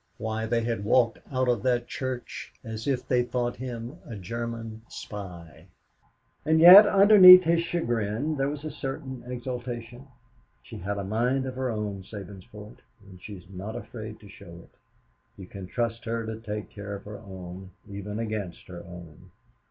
Why, they had walked out of that church as if they thought him a German spy. And yet, underneath his chagrin, there was a certain exaltation. "She has a mind of her own, Sabinsport, and she is not afraid to show it. You can trust her to take care of her own, even against her own.